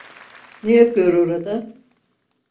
Ne yapıyor orada?